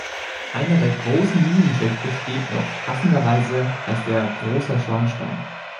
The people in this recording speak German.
Einer der großen Minenschächte steht noch, passenderweise heißt er „Großer Schornstein“.